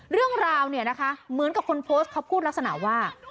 เรื่องราวเนี่ยนะคะเหมือนกับคนโพสต์เขาพูดลักษณะว่า